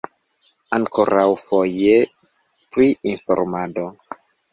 Ankoraŭfoje pri informado.